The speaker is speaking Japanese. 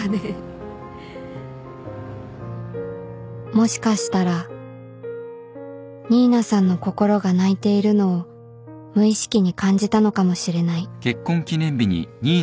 もしかしたら新名さんの心が泣いているのを無意識に感じたのかもしれない